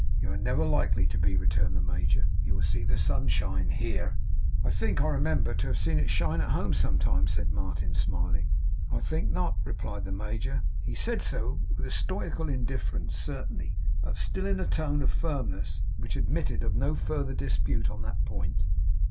'You are never likely to be,' returned the major. 'You will see the sun shine HERE.' 'I think I remember to have seen it shine at home sometimes,' said Martin, smiling. 'I think not,' replied the major. He said so with a stoical indifference certainly, but still in a tone of firmness which admitted of no further dispute on that point.